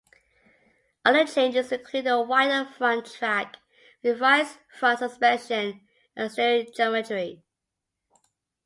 Other changes include a wider front track, revised front suspension and steering geometry.